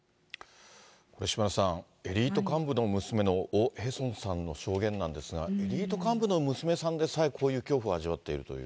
島田さん、エリート幹部の娘のオ・ヘソンさんの証言なんですが、エリート幹部の娘さんでさえ、こういう恐怖を味わっているという。